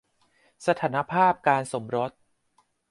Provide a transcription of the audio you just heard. สถานภาพการสมรส